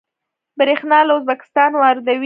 بریښنا له ازبکستان واردوي